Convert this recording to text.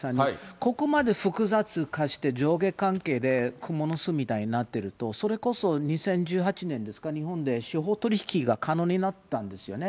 ここまで複雑化して、上下関係でくもの巣みたいになってると、それこそ２０１８年ですか、日本で司法取引が可能になったんですよね。